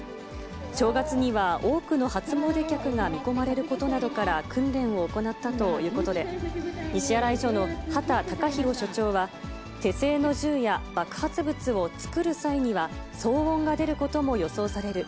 正月には多くの初詣客が見込まれることなどから、訓練を行ったということで、西新井署の畑孝博署長は、手製の銃や爆発物を作る際には、騒音が出ることも予想される。